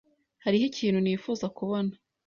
Hariho ikintu nifuza kubona.